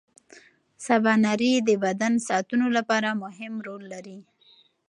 سباناري د بدن ساعتونو لپاره مهمه رول لري.